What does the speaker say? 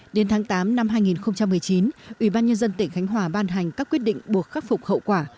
đến tháng tám năm hai nghìn một mươi chín ủy ban nhân dân tỉnh khánh hòa ban hành các quyết định buộc khắc phục hậu quả